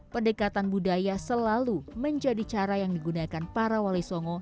pendekatan budaya selalu menjadi cara yang digunakan para wali songo